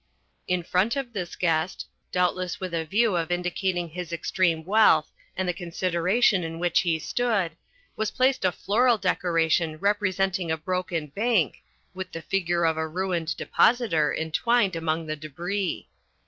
In front of this guest, doubtless with a view of indicating his extreme wealth and the consideration in which he stood, was placed a floral decoration representing a broken bank, with the figure of a ruined depositor entwined among the debris.